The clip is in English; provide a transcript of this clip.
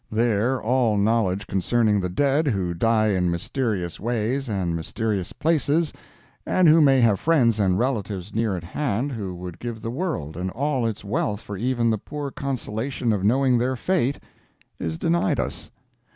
There all knowledge concerning the dead who die in mysterious ways and mysterious places, and who may have friends and relatives near at hand who would give the world and all its wealth for even the poor consolation of knowing their fate, is denied us.